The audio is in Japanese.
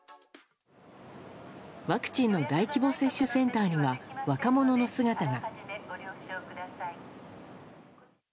ワクチンの大規模接種センターには若者の姿が。